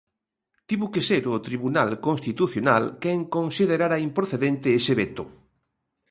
Tivo que ser o Tribunal Constitucional quen considerara improcedente ese veto.